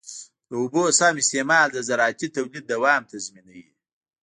د اوبو سم استعمال د زراعتي تولید دوام تضمینوي.